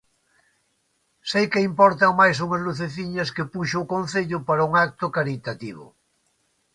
Seica importan máis unhas luceciñas que puxo o concello para un acto caritativo.